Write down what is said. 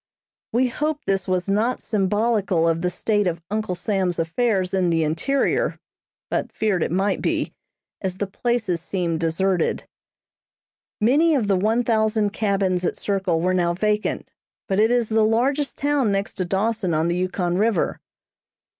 We hoped this was not symbolical of the state of Uncle Sam's affairs in the interior, but feared it might be, as the places seemed deserted. Many of the one thousand cabins at Circle were now vacant, but it is the largest town next to Dawson on the Yukon River.